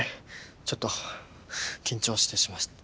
ちょっと緊張してしまって。